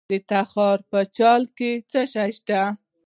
د تخار په چال کې څه شی شته؟